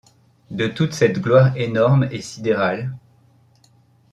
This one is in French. De toute cette gloire énorme et sidérale